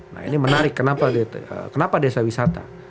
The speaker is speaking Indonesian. nah ini menarik kenapa desa wisata